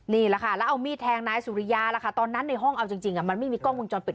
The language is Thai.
นี่แหละค่ะแล้วเอามีดแทงนายสุริยาล่ะค่ะตอนนั้นในห้องเอาจริงมันไม่มีกล้องวงจรปิด